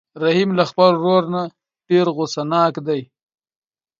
رحیم له خپل ورور نه ډېر غوسه ناک دی.